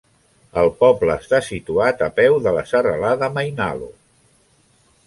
El poble està situat a peu de la serralada Mainalo.